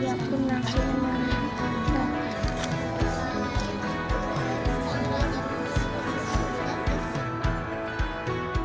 wah ini sangat rajin